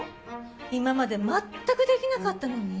今まで全くできなかったのに？